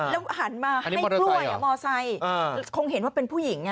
แล้วหันมาให้กล้วยมอไซค์คงเห็นว่าเป็นผู้หญิง